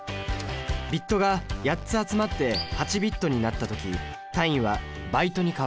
ビットが８つ集まって８ビットになった時単位はバイトに変わります。